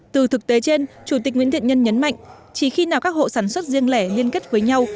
từ thực tế trên chủ tịch nguyễn thiện nhân nhấn mạnh chỉ khi nào các hộ sản xuất riêng lẻ liên kết với nhau